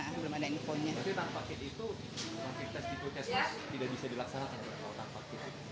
tapi tanpa kit itu pasien di puskesmas tidak bisa dilaksanakan